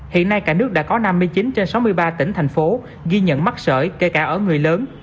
hiện nay cả nước đã có năm mươi chín trên sáu mươi ba tỉnh thành phố ghi nhận mắc sởi kể cả ở người lớn